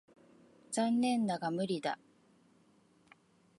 残念だが無理だ。